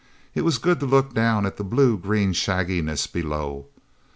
It was good to look down at the blue green shagginess, below...